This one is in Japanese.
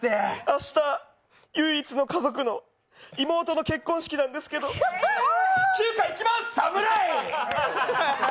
明日唯一の家族の妹の結婚式なんですけど中華いきます！